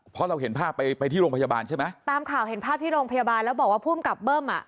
เพราะเราเห็นภาพไปไปที่โรงพยาบาลใช่ไหมตามข่าวเห็นภาพที่โรงพยาบาลแล้วบอกว่าภูมิกับเบิ้มอ่ะ